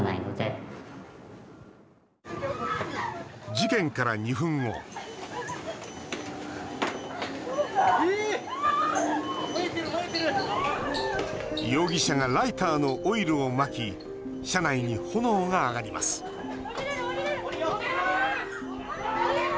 事件から２分後容疑者がライターのオイルをまき車内に炎が上がります降りれる！